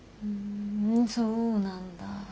ふんそうなんだ。